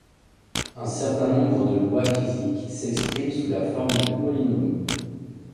Un certain nombre de lois physiques s'expriment sous la forme de polynômes.